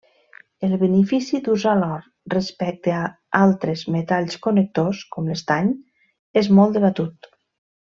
El benefici d'usar l'or respecte a altres metalls connectors com l'estany és molt debatut.